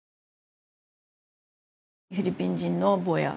フィリピン人の坊や。